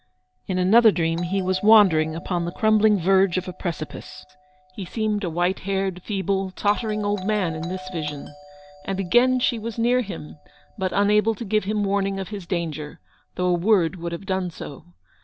In another dream he was wandering upon the GOOD SAMARITANS. 147 crumbling verge of a precipice — he seemed a white haired, feeble, tottering old man in this vision — and again she was near him, but unable to give him warning of his danger, though a word would have done so.